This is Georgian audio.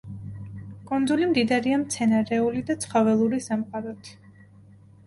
კუნძული მდიდარია მცენარეული და ცხოველური სამყაროთი.